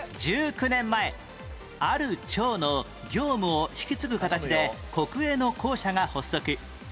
１９年前ある庁の業務を引き継ぐ形で国営の公社が発足